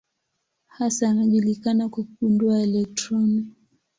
Hasa anajulikana kwa kugundua elektroni.